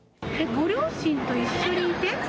ご両親と一緒にいて？